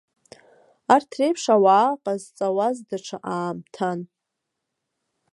Арҭ реиԥш ауаа ҟазҵауаз даҽа аамҭан.